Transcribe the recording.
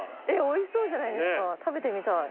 おいしそうじゃないですか食べてみたい。